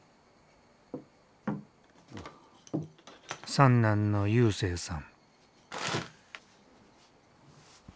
三男の勇征さん。